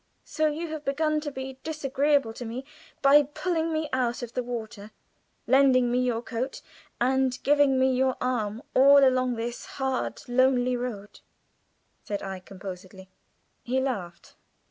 "So you have begun to be disagreeable to me by pulling me out of the water, lending me your coat, and giving me your arm all along this hard, lonely road," said I, composedly. He laughed.